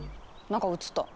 何か映った。